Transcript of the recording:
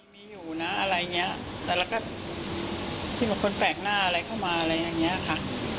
มีอยู่นะอะไรอย่างนี้แต่แล้วก็มีคนแปลกหน้าเข้ามาอะไรอย่างนี้ค่ะ